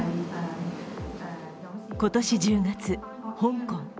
今年１０月、香港。